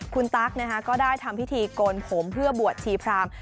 คุณตั๊กก็ได้ทำพิธีโกนผมเพื่อบวชชีพราม